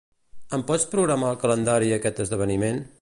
Em pots programar al calendari aquest esdeveniment?